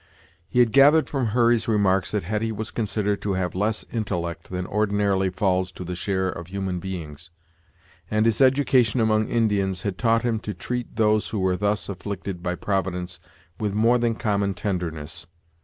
He had gathered from Hurry's remarks that Hetty was considered to have less intellect than ordinarily falls to the share of human beings, and his education among Indians had taught him to treat those who were thus afflicted by Providence with more than common tenderness.